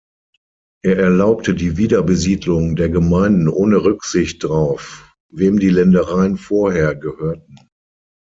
Er erlaubte die Wiederbesiedlung der Gemeinden ohne Rücksicht drauf, wem die Ländereien vorher gehörten.